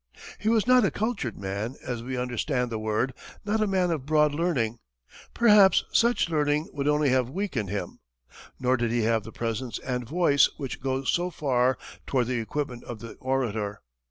He was not a cultured man, as we understand the word not a man of broad learning; perhaps such learning would only have weakened him nor did he have the presence and voice which go so far toward the equipment of the orator.